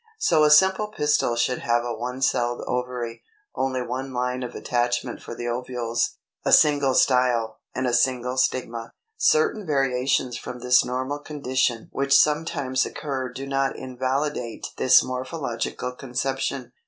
] 307. So a simple pistil should have a one celled ovary, only one line of attachment for the ovules, a single style, and a single stigma. Certain variations from this normal condition which sometimes occur do not invalidate this morphological conception.